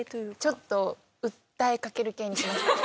ちょっと訴えかける系にしました。